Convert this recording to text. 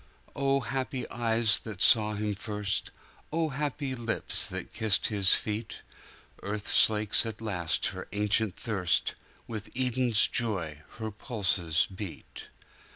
O happy eyes that saw Him first; O happy lips that kissed His feet:Earth slakes at last her ancient thirst; With Eden's joy her pulses beat.